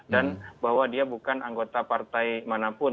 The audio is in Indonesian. dan bahwa dia bukan anggota partai manapun